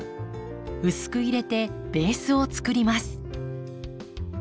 薄く入れてベースをつくります。